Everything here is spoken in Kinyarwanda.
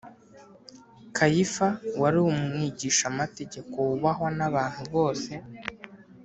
Kayifa wari umwigishamategeko wubahwa n’abantu bose